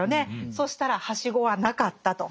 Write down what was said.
そしたらはしごはなかったと。